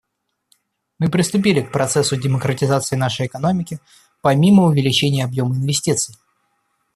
Мы приступили к процессу демократизации нашей экономики помимо увеличения объема инвестиций.